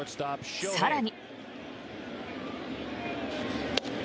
更に。